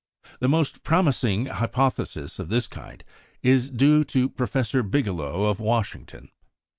The most promising hypothesis of the kind is due to Professor Bigelow of Washington.